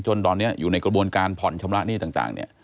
ตอนนี้อยู่ในกระบวนการผ่อนชำระหนี้ต่างเนี่ย